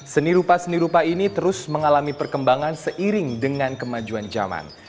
seni rupa seni rupa ini terus mengalami perkembangan seiring dengan kemajuan zaman